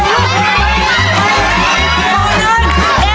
วันนี้